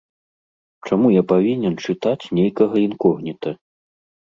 Чаму я павінен чытаць нейкага інкогніта?